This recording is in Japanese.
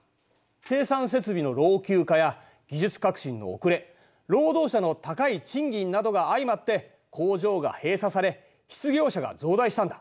生産設備の老朽化や技術革新の遅れ労働者の高い賃金などが相まって工場が閉鎖され失業者が増大したんだ。